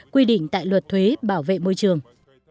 quy định tại luật thuế bảo vệ môi trường